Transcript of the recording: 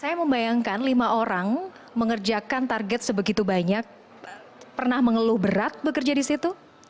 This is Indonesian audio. saya membayangkan lima orang mengerjakan target sebegitu banyak pernah mengeluh berat bekerja di situ